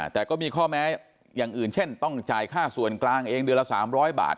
แต่ก็มีข้อแม้อย่างอื่นเช่นต้องจ่ายค่าส่วนกลางเองเดือนละ๓๐๐บาท